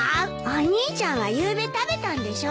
お兄ちゃんはゆうべ食べたんでしょ？